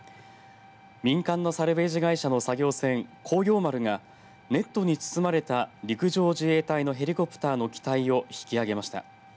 民間のサルベージ会社の作業船航洋丸がネットに包まれた陸上自衛隊のヘリコプターの機体を引きあげました。